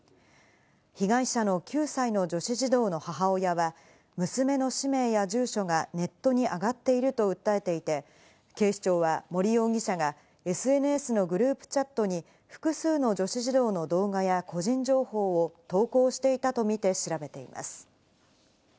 被害者の９歳の女子児童の母親は、娘の氏名や住所がネットに上がっていると訴えていて、警視庁は森容疑者がＳＮＳのグループチャットに複数の女子児童の動画や個人情報を投稿していたとみて調べています。